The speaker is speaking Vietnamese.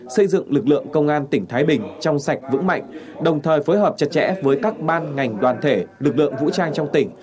xây dựng lực lượng công an tỉnh thái bình trong sạch vững mạnh đồng thời phối hợp chặt chẽ với các ban ngành đoàn thể lực lượng vũ trang trong tỉnh